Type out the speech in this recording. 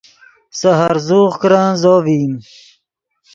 سے ہرزوغ کرن زو ڤئیم